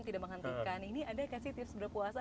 tidak menghentikan ini ada yang kasih tips berpuasa